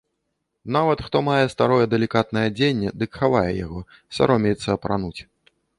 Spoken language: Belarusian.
Нават хто мае старое далікатнае адзенне, дык хавае яго, саромеецца апрануць.